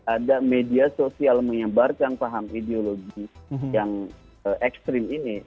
ada media sosial menyebarkan paham ideologi yang ekstrim ini